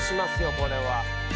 これは。